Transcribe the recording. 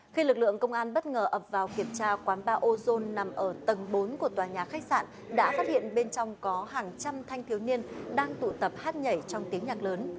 khi lực lượng công an bất ngờ ập vào kiểm tra quán ba ozone nằm ở tầng bốn của tòa nhà khách sạn đã phát hiện bên trong có hàng trăm thanh thiếu niên đang tụ tập hát nhảy trong tiếng nhạc lớn